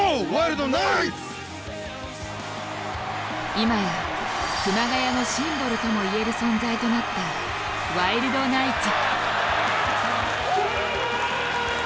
今や熊谷のシンボルとも言える存在となったワイルドナイツ。